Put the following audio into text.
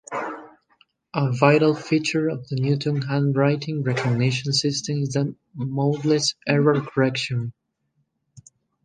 A vital feature of the Newton handwriting recognition system is the modeless error correction.